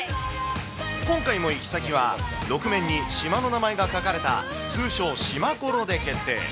今回の行き先は、６面に島の名前が書かれた通称、島コロで決定。